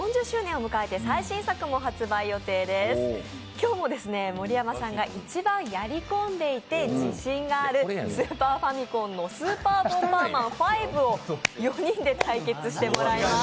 今日も盛山さんが一番やり込んでいて自信があるスーパーファミコンの「スーパーボンバーマン５」を４人で対決してもらいます。